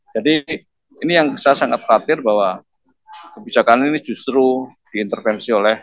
jadi ini yang saya sangat khawatir bahwa kebijakan ini justru diintervensi oleh